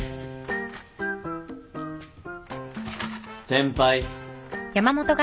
先輩